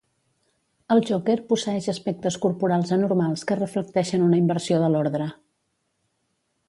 El Joker posseeix aspectes corporals anormals que reflecteixen una inversió de l'ordre.